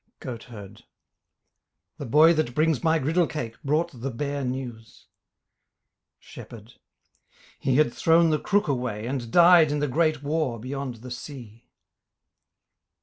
GOATHERD The boy that brings my griddle cake Brought the bare news. SHEPHERD He had thrown the crook away And died in the great war beyond the sea.